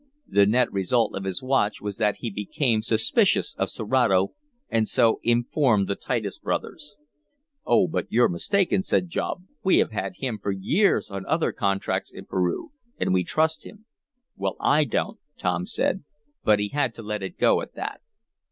The net result of his watch was that he became suspicious of Serato, and so informed the Titus Brothers. "Oh, but you're mistaken," said Job. "We have had him for years, on other contracts in Peru, and we trust him." "Well, I don't," Tom said, but he had to let it go at that.